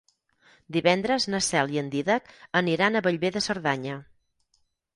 Divendres na Cel i en Dídac aniran a Bellver de Cerdanya.